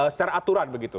secara aturan begitu